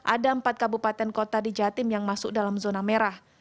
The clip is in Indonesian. ada empat kabupaten kota di jatim yang masuk dalam zona merah